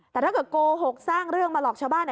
แต่ถ้าเกิดโกหกสร้างเรื่องมาหลอกชาวบ้าน